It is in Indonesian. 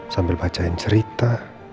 sambil bacain cerita